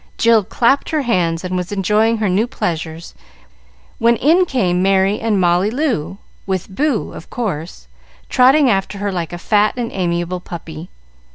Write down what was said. Jill clapped her hands, and was enjoying her new pleasures, when in came Merry and Molly Loo, with Boo, of course, trotting after her like a fat and amiable puppy.